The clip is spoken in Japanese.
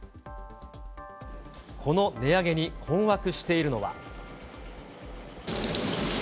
この値上げに困惑しているのは。